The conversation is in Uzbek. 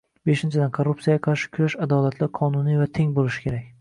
Beshinchidan, korrupsiyaga qarshi kurash adolatli, qonuniy va teng bo'lishi kerak